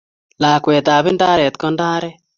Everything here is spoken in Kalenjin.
lakwet ab ndarer ko ndaret